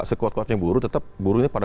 sekuat kuatnya buru tetap burunya pada